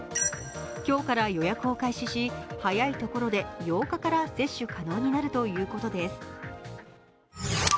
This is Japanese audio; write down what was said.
今日から予約を開始し早い所で８日から接種可能になるということです。